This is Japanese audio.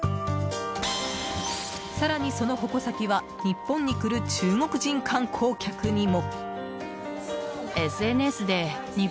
更に、その矛先は日本に来る中国人観光客にも。